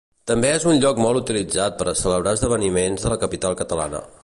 També és un lloc molt utilitzat per a celebrar esdeveniments de la capital catalana.